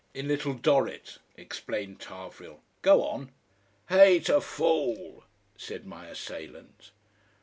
"In 'Little Dorrit,'" explained Tarvrille; "go on!" "Hate a fool," said my assailant.